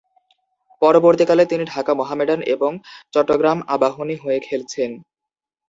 পরবর্তীকালে, তিনি ঢাকা মোহামেডান এবং চট্টগ্রাম আবাহনী হয়ে খেলেছেন।